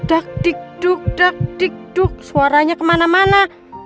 dak dik duk dak dik duk suaranya kemana mana